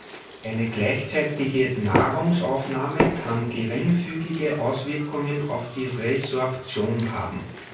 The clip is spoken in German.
Eine gleichzeitige Nahrungsaufnahme kann geringfügige Auswirkungen auf die Resorption haben.